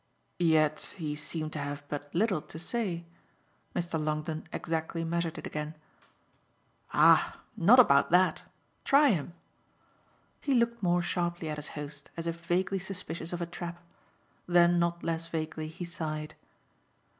"Yet he seemed to have but little to say." Mr. Longdon exactly measured it again. "Ah not about that. Try him." He looked more sharply at his host, as if vaguely suspicious of a trap; then not less vaguely he sighed.